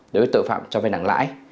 đối với tội phạm cho vay nặng lãi